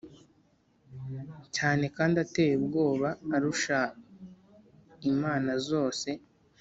cyane Kandi ateye ubwoba arusha imana zose